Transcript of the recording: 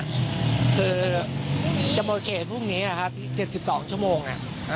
คือจะหมดเขตพรุ่งนี้นะครับ๗๒ชั่วโมง